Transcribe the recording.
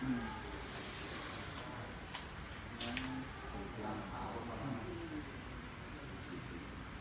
ก็เปิดห้องแล้วก็มาจูบ